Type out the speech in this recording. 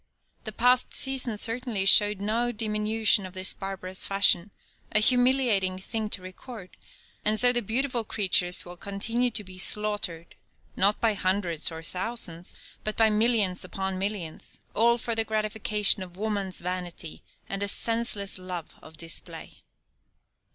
The past season, certainly, showed no diminution of this barbarous fashion a humiliating thing to record and so the beautiful creatures will continue to be slaughtered, not by hundreds or thousands, but by millions upon millions, all for the gratification of woman's vanity and a senseless love of display.